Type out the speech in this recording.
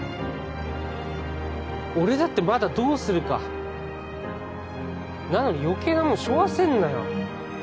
俺だってまだどうするかなのに余計なもんしょわせんなよ